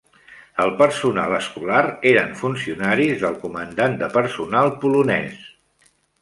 El personal escolar eren funcionaris del Comandant de Personal polonès.